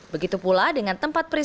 begitu pula dengan tempat yang diperlukan